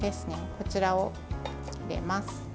こちらを入れます。